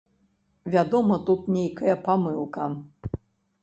Вядома, тут нейкая памылка.